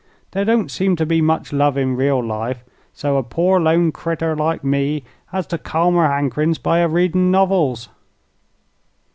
There don't seem to be much love in real life, so a poor lone crittur like me has to calm her hankerin's by a readin' novels."